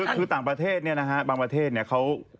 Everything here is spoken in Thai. คือต่างประเทศเนี่ยนะฮะบางประเทศเนี่ยเขา